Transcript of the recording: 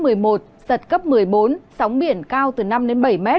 giật cấp một mươi bốn sóng biển cao từ năm đến bảy m